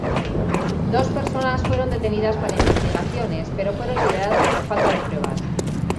Dos personas fueron detenidas para investigaciones, pero fueron liberadas por falta de pruebas.